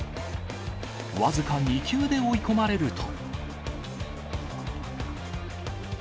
僅か２球で追い込まれると。